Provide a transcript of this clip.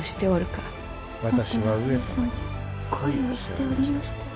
私は上様に恋をしておりましたよ。